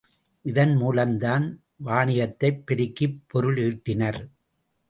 இதன் மூலம்தான் வாணிகத்தைப் பெருக்கிப் பொருள் ஈட்டினர்.